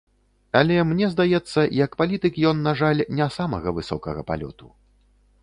Але, мне здаецца, як палітык ён, на жаль, не самага высокага палёту.